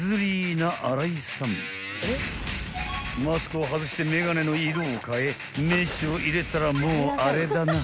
［マスクを外して眼鏡の色をかえメッシュを入れたらもうあれだな］